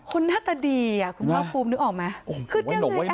คุณน่ะตะดีอะคุณพ่างภูมินึกออกมาคุณเตียงเงยแอปเลย